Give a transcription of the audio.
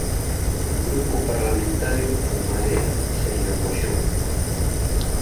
Grupo Parlamentario En Marea, señor Moxón.